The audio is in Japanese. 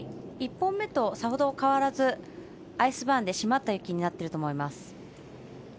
１本目とさほど変わらずアイスバーンで締まった雪になっていると思います。